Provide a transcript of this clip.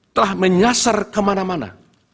telah menyasar kemana mana